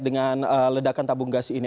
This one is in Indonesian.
dengan ledakan tabung gas ini